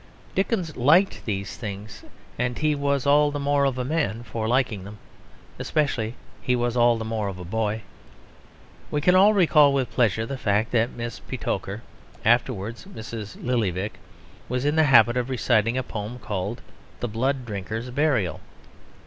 Dickens liked these things and he was all the more of a man for liking them; especially he was all the more of a boy. We can all recall with pleasure the fact that Miss Petowker (afterwards Mrs. Lillyvick) was in the habit of reciting a poem called "The Blood Drinker's Burial."